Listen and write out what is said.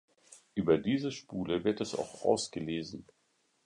Über diese Spule wird es auch ausgelesen.